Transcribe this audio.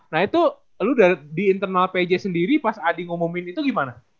nah itu lu di internal pj sendiri pas adi ngumumin itu gimana